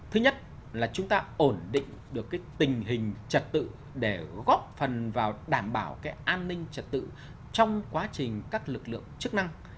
thứ nhất là chúng ta ổn định được tình hình trật tự để góp phần vào đảm bảo cái an ninh trật tự trong quá trình các lực lượng chức năng